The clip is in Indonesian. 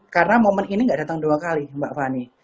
karena momen ini nggak datang dua kali mbak fani